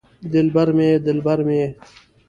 دل مې یې دلبر مې یې